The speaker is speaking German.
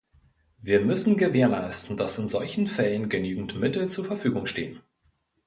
Wir müssen gewährleisten, dass in solchen Fällen genügend Mittel zur Verfügung stehen.